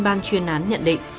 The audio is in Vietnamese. ban chuyên án nhận định